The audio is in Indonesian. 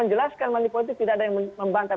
menjelaskan manipolitik tidak ada yang membantah